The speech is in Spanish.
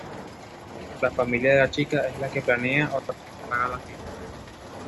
La familia de la chica es la que planea, organiza y paga la fiesta.